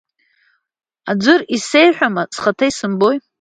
Аӡәыр исеиҳәама, схаҭа исымбои!